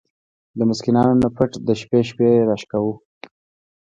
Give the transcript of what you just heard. د مسکينانو نه پټ د شپې شپې را شکوو!!.